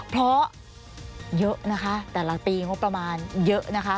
เพราะเยอะนะคะแต่ละปีงบประมาณเยอะนะคะ